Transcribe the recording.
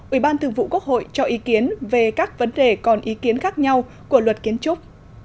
ủy ban thường vụ quốc hội cho ý kiến về các vấn đề còn ý kiến khác nhau của luật kiến trúc